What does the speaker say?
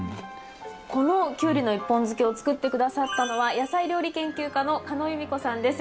このキュウリの１本漬けを作って下さったのは野菜料理研究家のカノウユミコさんです。